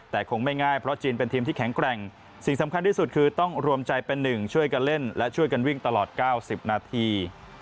แต่คงไม่ง่ายเพราะจีนเป็นทีมที่แข็งแกร่งสิ่งสำคัญที่สุดคือต้องรวมใจเป็นหนึ่งช่วยกันเล่นและช่วยกันวิ่งตลอด๙๐นาที